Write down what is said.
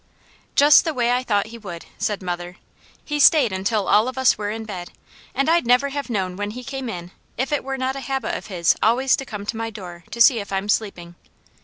"Just the way I thought he would," said mother. "He stayed until all of us were in bed, and I'd never have known when he came in, if it were not a habit of his always to come to my door to see if I'm sleeping.